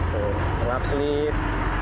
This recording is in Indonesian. tuh slap slip